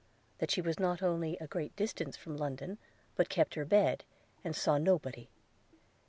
that she was not only a great distance from London, but kept her bed, and saw nobody.